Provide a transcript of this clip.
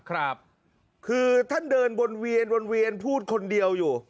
ครับคือท่านเดินวนเวียนวนเวียนพูดคนเดียวอยู่